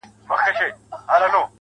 بیا مي د اوښکو وه رڼا ته سجده وکړه,